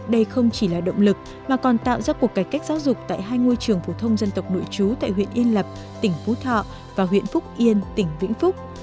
đây không chỉ là động lực mà còn tạo ra cuộc cải cách giáo dục tại hai ngôi trường phổ thông dân tộc nội chú tại huyện yên lập tỉnh phú thọ và huyện phúc yên tỉnh vĩnh phúc